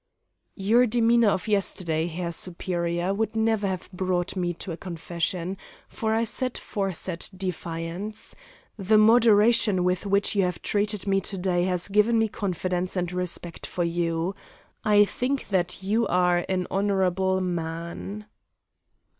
"Your demeanour of yesterday, Herr Superior, would never have brought me to a confession, for I set force at defiance. The moderation with which you have treated me to day has given me confidence and respect for you. I think that you are an honourable man."